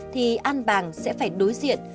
thì an bàng sẽ phải đối diện